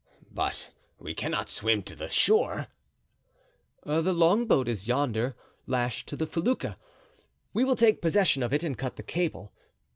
"But we cannot swim to the shore." "The longboat is yonder, lashed to the felucca. We will take possession of it and cut the cable.